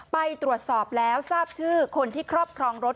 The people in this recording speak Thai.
ไปตรวจสอบแล้วทราบชื่อคนที่ครอบครองรถ